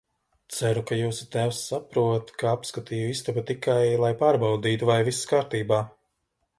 Ceru, ka jūsu tēvs saprot, ka apskatīju istabu tikai, lai pārbaudītu, vai viss kārtībā.